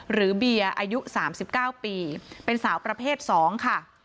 หรือเบียร์อายุ๓๙ปีเป็นสาวประเภท๒ค่ะ